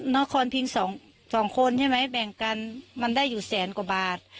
นครพิงสองคนใช่ไหมแบ่งกันมันได้อยู่แสนกว่าบาท